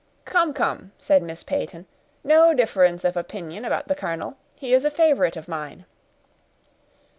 "Come, come," said Miss Peyton, "no difference of opinion about the colonel—he is a favorite of mine."